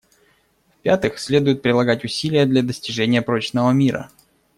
В-пятых, следует прилагать усилия для достижения прочного мира.